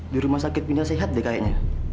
di rumah sakit mina sehat deh kayaknya